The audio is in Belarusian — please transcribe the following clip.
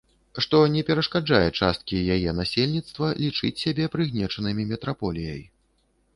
Што не перашкаджае часткі яе насельніцтва лічыць сябе прыгнечанымі метраполіяй.